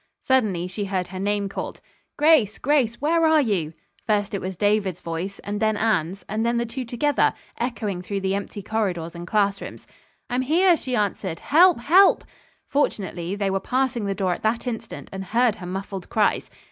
Suddenly she heard her name called. "Grace! Grace! Where are you?" First it was David's voice, and then Anne's, and then the two together, echoing through the empty corridors and classrooms. "I'm here," she answered. "Help! Help!" Fortunately, they were passing the door at that instant and heard her muffled cries.